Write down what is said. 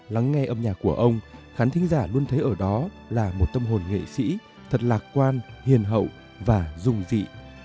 lắng nghe âm nhạc của ông khán thính giả luôn thấy ở đó là một tâm hồn nghệ sĩ thật lạc quan hiền hậu và dung dị